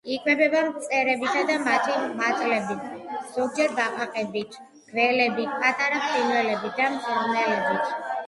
იკვებება მწერებითა და მათი მატლებით, ზოგჯერ ბაყაყებით, გველებით, პატარა ფრინველებითა და მღრღნელებით.